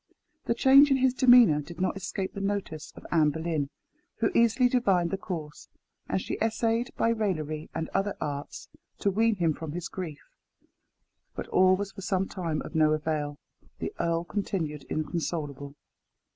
The change in his demeanour did not escape the notice of Anne Boleyn, who easily divined the cause, and she essayed by raillery and other arts to wean him from his grief. But all was for some time of no avail. The earl continued inconsolable.